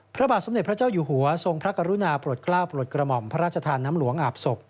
พระบาทสมเด็จพระเจ้าอยู่หัวทรงพระกรุณาปลดกล้าปลดกระหม่อมพระราชทานน้ำหลวงอาบศพ